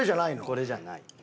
これじゃない。